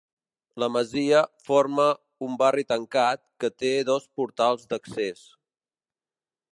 La masia forma un barri tancat que té dos portals d'accés.